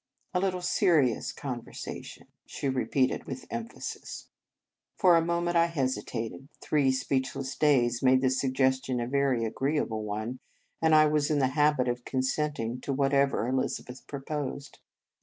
"A little serious conversation," she repeated with emphasis. For a moment I hesitated. Three speechless days made the suggestion a very agreeable one, and I was in the habit of consenting to whatever Elizabeth proposed.